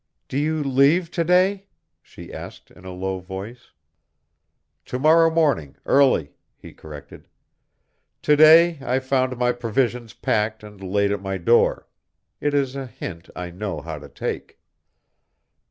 "Do you leave to day?" she asked, in a low voice. "To morrow morning, early," he corrected. "To day I found my provisions packed and laid at my door. It is a hint I know how to take."